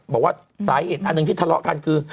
บอกว่าสาเหตุอันหนึ่งที่ทะเลาะกันคือ